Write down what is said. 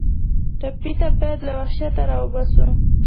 ټپي ته باید له وحشته راوباسو.